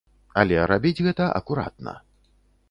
Але рабіць гэта акуратна.